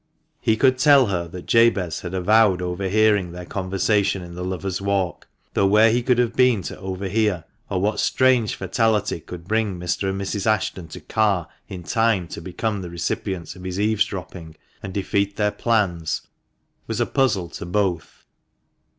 He could tell her that Jabez had avowed overhearing their conversation in the Lovers' Walk, though where he could have been to overhear, or what strange fatality could bring Mr. and MANCHESTER MAN. 371 Mrs. Ashton to Carr in time to become the recipients of his eavesdropping and defeat their plans, was a puzzle to both.